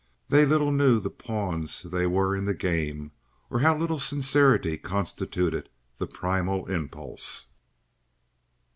They little knew the pawns they were in the game, or how little sincerity constituted the primal impulse.